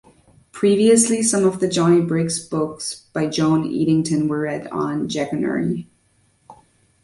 Previously some of the Jonny Briggs books by Joan Eadington were read on Jackanory.